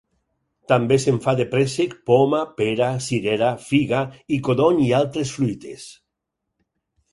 També se'n fa de préssec, poma, pera, cirera, figa, i codony i altres fruites.